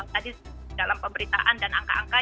tadi dalam pemberitaan dan angka angka